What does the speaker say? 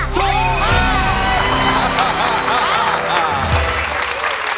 สู้ค่ะ